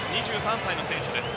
２３歳の選手です。